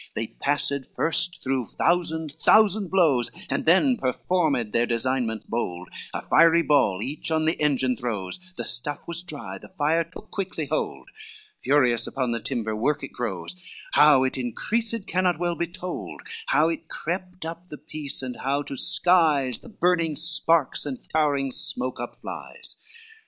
XLV They passed first through thousand thousand blows, And then performed their designment bold, A fiery ball each on the engine throws, The stuff was dry, the fire took quickly hold, Furious upon the timber work it grows, How it increased cannot well be told, How it crept up the piece, and how to skies The burning sparks and towering smoke upflies.